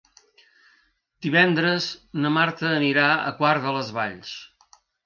Divendres na Marta anirà a Quart de les Valls.